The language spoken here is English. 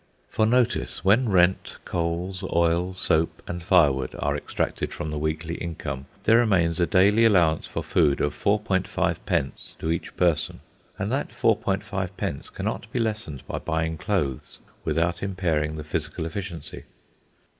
For notice, when rent, coals, oil, soap, and firewood are extracted from the weekly income, there remains a daily allowance for food of 4.5d. to each person; and that 4.5d. cannot be lessened by buying clothes without impairing the physical efficiency.